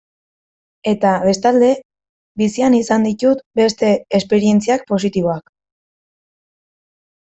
Eta, bestalde, bizian izan ditut beste esperientziak, positiboak.